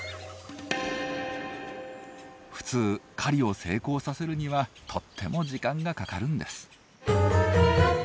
普通狩りを成功させるにはとっても時間がかかるんです。